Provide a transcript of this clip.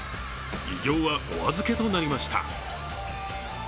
偉業はお預けとなりました。